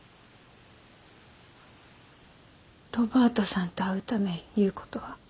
ロバートさんと会うためいうことは？